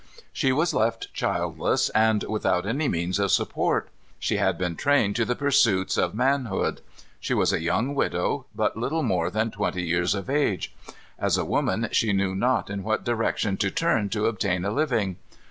She was left childless and without any means of support. She had been trained to the pursuits of manhood. She was a young widow, but little more than twenty years of age. As a woman, she knew not in what direction to turn to obtain a living.